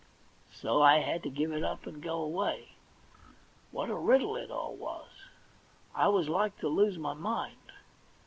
So I had to give it up and go away. What a riddle it all was ! I was like to lose my mind.